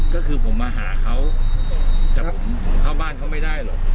ก็คือผมมาหาเขาแต่ผมเข้าบ้านเขาไม่ได้หรอก